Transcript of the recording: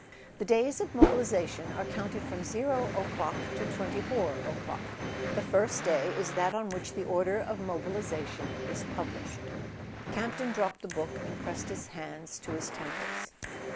"The days of mobilisation are counted from 0 o'clock to 24 o'clock. The first day is that on which the order of mobilisation is published." Campton dropped the book and pressed his hands to his temples.